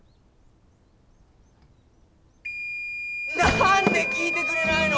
何で聞いてくれないの！？